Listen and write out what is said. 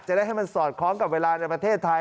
จะได้ให้มันสอดคล้องกับเวลาในประเทศไทย